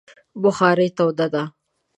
بخارۍ توده ده